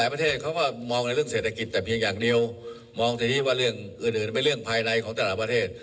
เรื่องเศรษฐกิจแต่เพียงอย่างเดียวมองสถิติว่าเรื่องอื่นเป็นเรื่องภายในของแต่ละประเทศ